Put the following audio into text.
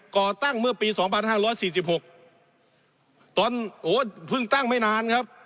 ก่อตั้งเมื่อปีสองพันห้าร้อยสี่สิบหกตอนโหเพิ่งตั้งไม่นานครับ